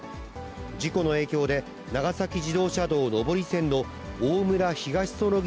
事故の影響で、長崎自動車道上り線の大村・東そのぎ